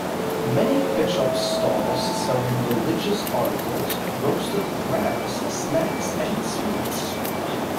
Many pitch up stalls selling religious articles, roasted grams, snacks and sweets.